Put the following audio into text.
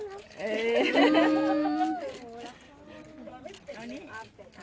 ตามคำพักตอนนี้